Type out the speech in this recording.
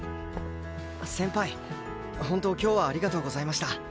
先輩本当今日はありがとうございました。